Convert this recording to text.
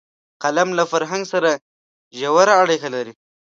قلم له فرهنګ سره ژوره اړیکه لري